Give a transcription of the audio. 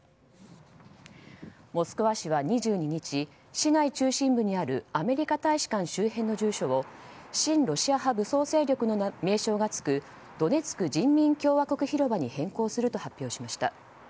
モスクワ市は２２日市街中心部にあるアメリカ大使館周辺の住所を親ロシア派武装勢力の名称がつくドネツク人民共和国広場に変更すると発表しました。